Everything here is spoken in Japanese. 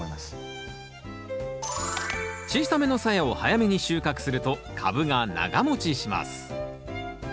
小さめのさやを早めに収穫すると株が長もちします。